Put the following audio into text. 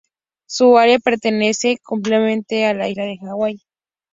Su área pertenece completamente a la isla de Hawái.